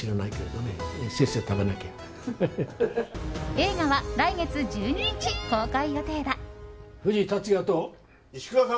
映画は来月１２日公開予定だ。